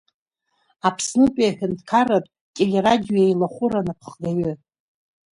Аԥснытәи Аҳәынҭқарратә Телерадиоеилахәыра анаԥхгаҩы…